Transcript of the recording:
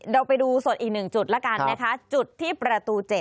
เราไปดูสดอีก๑จุดแล้วกันนะคะจุดที่ประตู๗